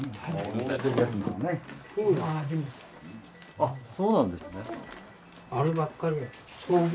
あっそうなんですね。